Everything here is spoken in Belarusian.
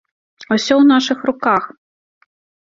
Усё ў нашых руках!